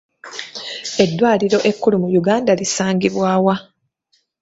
Eddwaliro ekkulu mu Uganda lisangibwa wa?